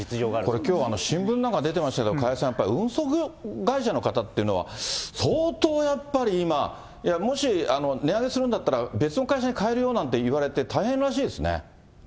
これきょう、新聞なんかにも出てましたけど、加谷さん、やっぱり運送会社の方っていうのは、相当やっぱり今、もし値上げするんだったら、別の会社に変えるよなんて言われて大変らしいですね。